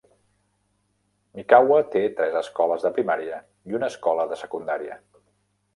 Mikawa té tres escoles de primària i una escola de secundària.